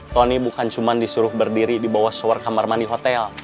tony bukan cuma disuruh berdiri di bawah sewar kamar mar di hotel